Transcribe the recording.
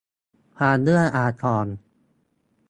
ความเอื้ออาทร